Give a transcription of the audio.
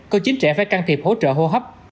có chín trẻ phải can thiệp hỗ trợ hô hấp